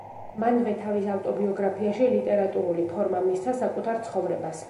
მანვე თავის ავტობიოგრაფიაში ლიტერატურული ფორმა მისცა საკუთარ ცხოვრებას.